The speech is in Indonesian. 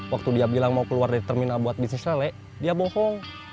waktu dia bilang mau keluar dari terminal buat bisnis sale dia bohong